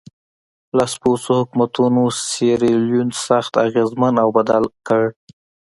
لاسپوڅو حکومتونو سیریلیون سخت اغېزمن او بدل کړ.